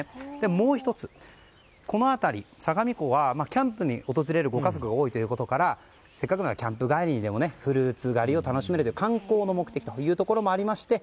もう１つ、この辺り相模湖はキャンプに訪れるご家族が多いということからせっかくならキャンプ帰りにもフルーツ狩りを楽しめるという観光目的ということもありまして